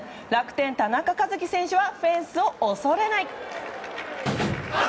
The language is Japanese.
楽天、田中和基選手はフェンスを恐れない！